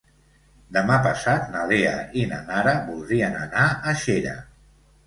Demà passat na Lea i na Nara voldrien anar a Xera.